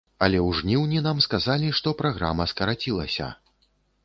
Але ў жніўні нам сказалі, што праграма скарацілася.